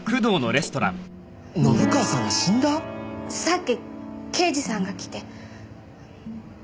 さっき刑事さんが来て。